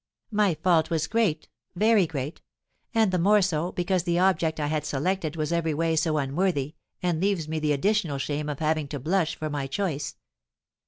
My fault was great, very great; and the more so, because the object I had selected was every way so unworthy, and leaves me the additional shame of having to blush for my choice.